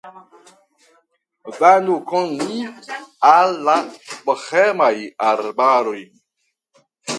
Venu kun ni al la bohemaj arbaroj!